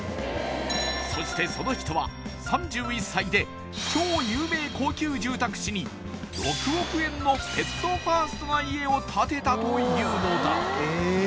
そしてその人は３１歳で超有名高級住宅地に６億円のペットファーストな家を建てたというのだ！